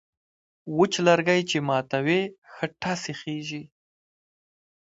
وچ لرگی چې ماتوې، ښه ټس یې خېژي.